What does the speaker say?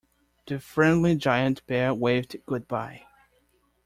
The friendly giant bear waved goodbye.